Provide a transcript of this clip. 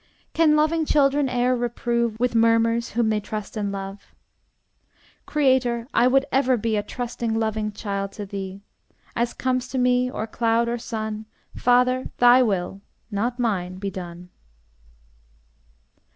Can loving children e'er reprove With murmurs, whom they trust and love? Creator, I would ever be A trusting, loving child to thee: As comes to me or cloud or sun, Father! thy will, not mine, be done.